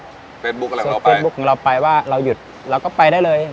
โซเฟซบุ๊กของเราไปว่าเราหยุดเราก็ไปได้เลย